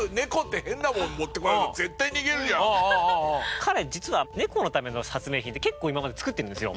彼実は猫のための発明品って結構今まで作ってるんですよ。